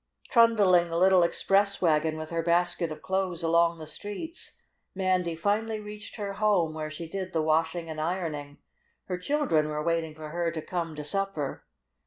Trundling the little express wagon with her basket of clothes along the streets, Mandy finally reached her home where she did the washing and ironing. Her children were waiting for her to come to supper.